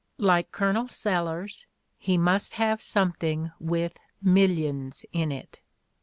Like Colonel Sellers, he must have something with 'millions in it.'